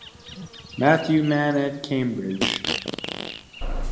Mathewman at Cambridge.